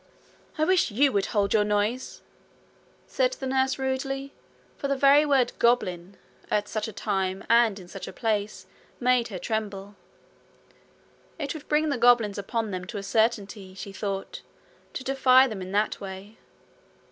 'I wish YOU would hold your noise,' said the nurse rudely, for the very word GOBLIN at such a time and in such a place made her tremble. It would bring the goblins upon them to a certainty, she thought, to defy them in that way.